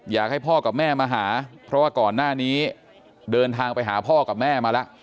อยากให้พ่อกับแม่มาหาเพราะว่าก่อนหน้านี้เดินทางไปหาพ่อกับแม่มาแล้ว